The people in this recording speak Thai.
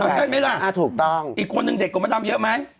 อ๋อใช่มั้ยล่ะอีกคนหนึ่งเด็กกว่ามาทำเยอะมั้ย